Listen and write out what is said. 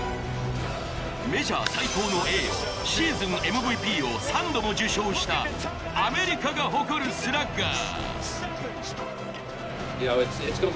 メジャー最高の栄誉、シーズンＭＶＰを３度も受賞したアメリカが誇るスラッガー。